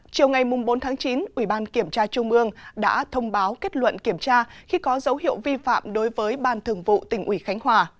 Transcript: chiều ngày bốn chín ủy ban kiểm tra trung ương đã thông báo kết luận kiểm tra khi có dấu hiệu vi phạm đối với ban thường vụ tỉnh ủy khánh hòa